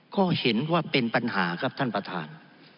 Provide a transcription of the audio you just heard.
ก็เห็นว่าเป็นปัญหาครับท่านประธาน